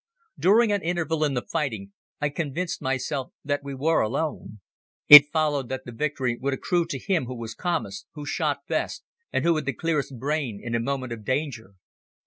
During an interval in the fighting I convinced myself that we were alone. It followed that the victory would accrue to him who was calmest, who shot best and who had the clearest brain in a moment of danger.